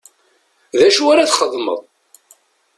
D acu ara txedmeḍ?